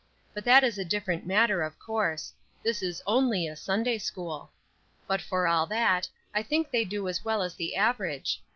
But that is a different matter, of course; this is only a Sunday school! But for all that, I think they do as well as the average.